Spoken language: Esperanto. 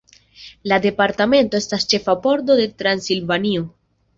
La departamento estas ĉefa pordo de Transilvanio.